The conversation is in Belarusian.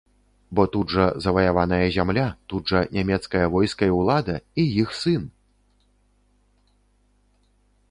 Бо тут жа заваяваная зямля, тут жа нямецкае войска і ўлада, і іх сын!